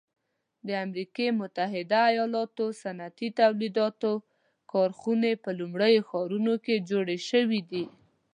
د امریکي متحده ایلاتو صنعتي تولیداتو کارخانې په لویو ښارونو کې جوړې شوي دي.